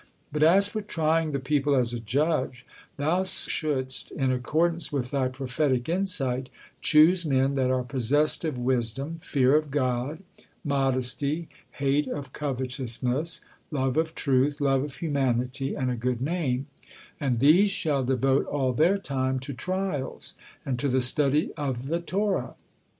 But as for trying the people as a judge, thou shouldst, in accordance with thy prophetic insight, choose men that are possessed of wisdom, fear of God, modesty, hate of covetousness, love of truth, love of humanity, and a good name, and these shall devote all their time to trials, and to the study of the study of the Torah.